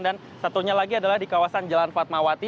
dan satunya lagi adalah di kawasan jalan fatmawati